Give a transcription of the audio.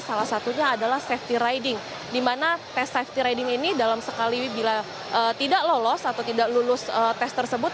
salah satunya adalah safety riding di mana tes safety riding ini dalam sekali bila tidak lolos atau tidak lulus tes tersebut